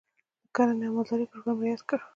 د کرنې او مالدارۍ پروګرام رایاد کړ.